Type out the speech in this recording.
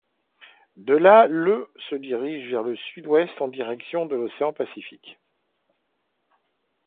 De là, le ' se dirige vers le sud-ouest en direction de l'océan Pacifique.